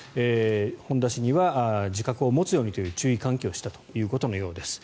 本田氏には自覚を持つようにという注意喚起をしたということのようです。